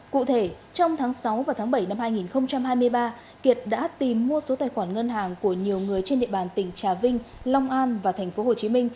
cụ thể trong tháng sáu và tháng bảy năm hai nghìn hai mươi ba kiệt đã tìm mua số tài khoản ngân hàng của nhiều người trên địa bàn tỉnh trà vinh long an và tp hcm